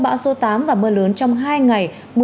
bão số tám và mưa lớn trong hai ngày